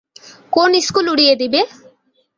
কোন স্কুল উড়িয়ে দিবে?